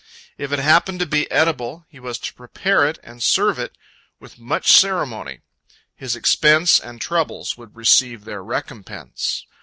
If it happened to be an edible, he was to prepare it and serve it with much ceremony. His expense and trouble would receive their recompense.